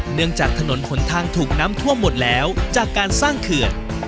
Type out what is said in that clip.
เนื่องจากถนนหนทางถูกน้ำท่วมหมดแล้วจากการสร้างเขื่อน